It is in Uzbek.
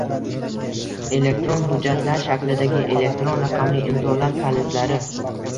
Elektron hujjatlar shaklidagi elektron raqamli imzolar kalitlari